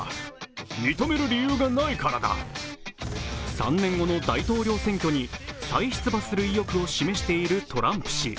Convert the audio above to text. ３年後の大統領選挙に再出馬する意欲を示しているトランプ氏。